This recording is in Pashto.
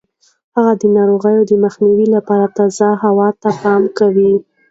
هغه د ناروغیو د مخنیوي لپاره تازه هوا ته پام کوي.